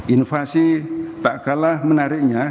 inovasi tak kalah menariknya